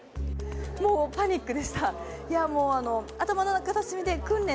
もうパニックでした。